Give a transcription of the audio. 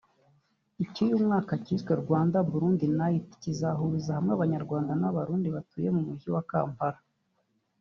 Icy’uyu mwaka cyiswe “Rwanda/Burundi Night” kizahuriza hamwe Abanyarwanda n’Abarundi batuye mu Mujyi wa Kampala